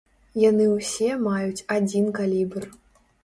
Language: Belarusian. Яны ўсе маюць адзін калібр.